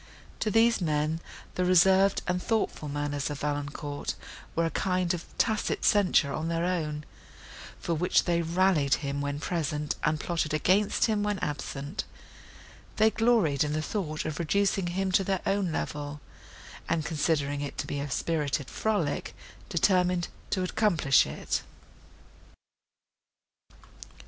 To these men the reserved and thoughtful manners of Valancourt were a kind of tacit censure on their own, for which they rallied him when present, and plotted against him when absent; they gloried in the thought of reducing him to their own level, and, considering it to be a spirited frolic, determined to accomplish it.